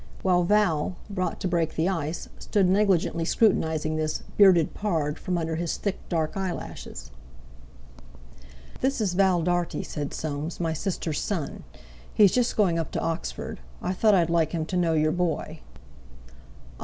while Val, brought to break the ice, stood negligently scrutinising this "bearded pard" from under his dark, thick eyelashes. "This is Val Dartie," said Soames, "my sister's son. He's just going up to Oxford. I thought I'd like him to know your boy." "Ah!